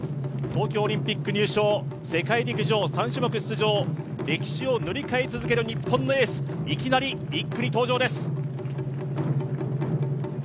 東京オリンピック入賞、世界陸上３種目出場、歴史を塗り替え続ける日本のエース、いきなり１区に登場です。